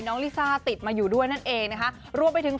น้องลิซ่าติดมาอยู่ด้วยช่วยเอง